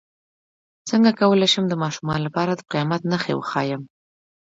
څنګه کولی شم د ماشومانو لپاره د قیامت نښې وښایم